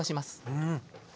うん。